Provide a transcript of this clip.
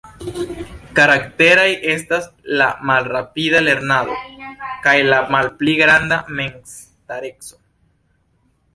Karakteraj estas la malrapida lernado, kaj la malpli granda memstareco.